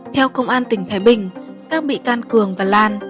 theo công an tỉnh thái bình các bị can cường và lan